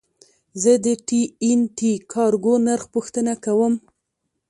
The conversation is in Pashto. زه د ټي این ټي کارګو نرخ پوښتنه کوم.